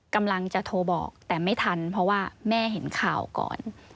กำลังจะโทรบอกแต่ไม่ทันเพราะว่าแม่เห็นข่าวก่อน